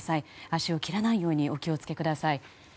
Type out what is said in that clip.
足を切らないようにお気をつけください。